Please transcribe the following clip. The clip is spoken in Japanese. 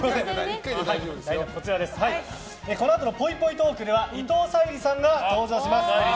このあとのぽいぽいトークでは伊藤沙莉さんが登場します。